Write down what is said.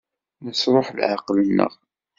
Nesṛuḥ leɛqel-nneɣ.